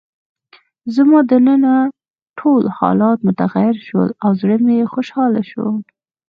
زما دننه ټول حالات متغیر شول او زړه مې خوشحاله شو.